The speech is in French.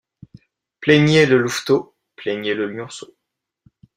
Plaignez le louveteau, plaignez le lionceau.